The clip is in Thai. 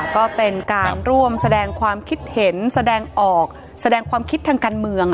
ก็เป็นการร่วมแสดงความคิดเห็นแสดงออกแสดงความคิดทางการเมือง